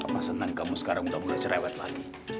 mama senang kamu sekarang udah mulai cerewet lagi